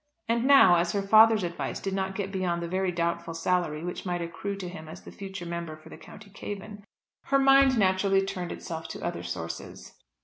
And now, as her father's advice did not get beyond the very doubtful salary which might accrue to him as the future member for the County Cavan, her mind naturally turned itself to other sources.